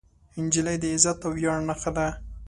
نجلۍ د عزت او ویاړ نښه ده.